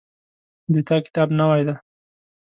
د تا کتاب نوی ده